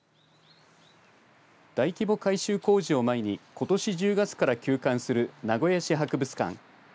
大規模改修工事を前にことし１０月から休館する名古屋市博物館。